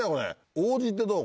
王子ってどう？